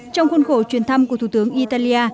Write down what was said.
trong khuôn khổ truyền thăm của thủ tướng italia